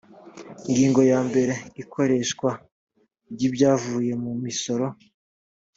ingingo ya mbere ikoreshwa ry’ibyavuye mu misoro